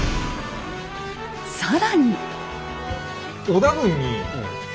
更に。